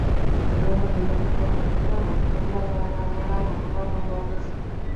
威尔荪于抵达后便会见台湾总督安东贞美及总督府林业部主事者金平亮三。